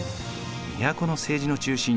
都の政治の中心